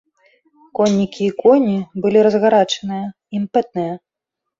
Коннікі і коні былі разгарачаныя, імпэтныя.